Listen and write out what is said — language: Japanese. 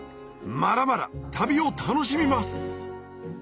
まだまだ旅を楽しみます！